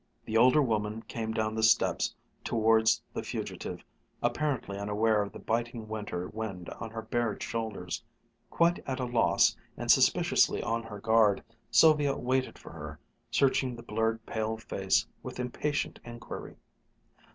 The older woman came down the steps towards the fugitive, apparently unaware of the biting winter wind on her bared shoulders. Quite at a loss, and suspiciously on her guard, Sylvia waited for her, searching the blurred pale face with impatient inquiry.